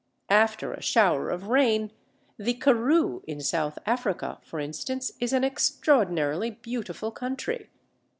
After a shower of rain, the Karoo in South Africa, for instance, is an extraordinarily beautiful country.